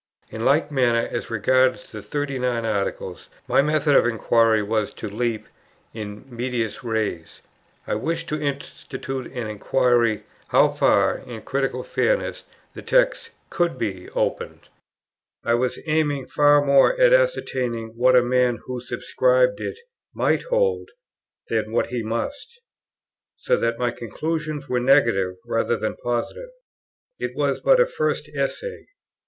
In like manner, as regards the 39 Articles, my method of inquiry was to leap in medias res. I wished to institute an inquiry how far, in critical fairness, the text could be opened; I was aiming far more at ascertaining what a man who subscribed it might hold than what he must, so that my conclusions were negative rather than positive. It was but a first essay.